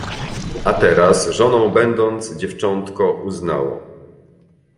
A teraz, żoną będąc, dziewczątko uznało